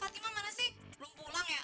fatima mana sih belum pulang ya